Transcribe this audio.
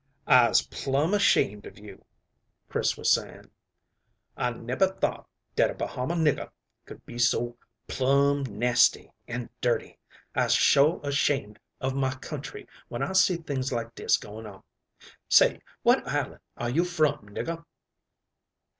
"I'ze plum ashamed of you," Chris was saying. "I nebber thought dat a Bahama nigger could be so plum nasty and dirty. I'se sho' ashamed of my country when I see things like dis going on. Say, what island are you from, nigger?"